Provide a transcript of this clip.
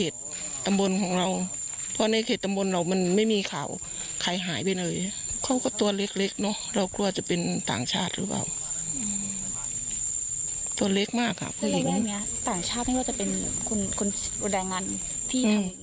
ตรงนี้ต่างชาติไม่ว่าจะเป็นคุณอุดายงานที่ทำแบบนี้